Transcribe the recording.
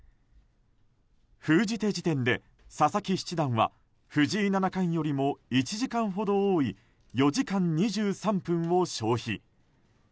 封じ手時点で佐々木七段は藤井七冠よりも１時間ほど多い４時間２３分を消費。